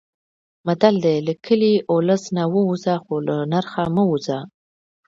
متل دی: له کلي، اولس نه ووځه خو له نرخه مه وځه.